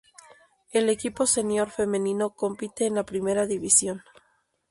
El equipo senior femenino compite en la Primera división.